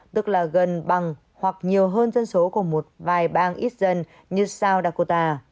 tức là gần bằng hoặc nhiều hơn dân số của một vài bang ít dân như south dakota